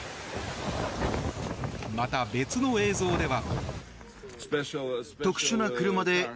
また、別の映像では。